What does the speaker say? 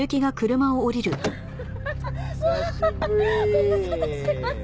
ご無沙汰してます。